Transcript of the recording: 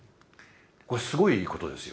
これすごいことですよ。